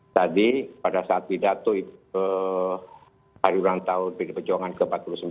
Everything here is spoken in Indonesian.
tadi pada saat tidak itu hari ulang tahun dari pejuangan ke empat puluh sembilan